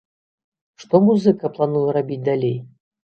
Што музыка плануе рабіць далей?